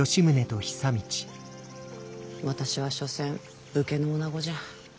私は所詮武家の女じゃ。